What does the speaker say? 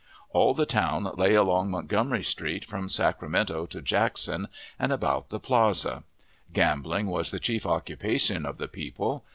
All the town lay along Montgomery Street, from Sacramento to Jackson, and about the plaza. Gambling was the chief occupation of the people.